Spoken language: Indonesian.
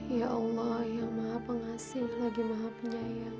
ya allah ya maha pengasih lagi maha penyayang